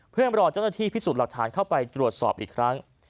เพื่อรอเจ้าหน้าที่พิสูจน์หลักฐานเข้าไปตรวจสอบอีกครั้ง